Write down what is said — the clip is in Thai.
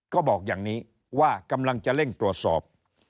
ก็บอกอย่างนี้ว่ากำลังจะเร่งตรวจสอบ